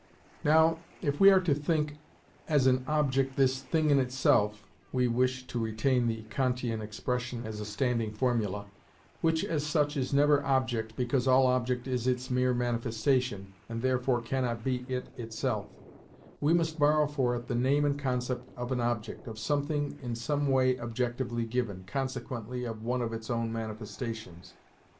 Now, if we are to think as an object this thing in itself (we wish to retain the Kantian expression as a standing formula), which, as such, is never object, because all object is its mere manifestation, and therefore cannot be it itself, we must borrow for it the name and concept of an object, of something in some way objectively given, consequently of one of its own manifestations.